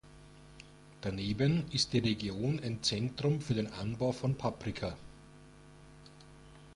Daneben ist die Region ein Zentrum für den Anbau von Paprika.